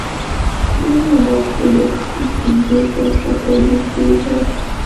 دغې مرستې د پيژو شرکت تولید ډېر لوړ کړ.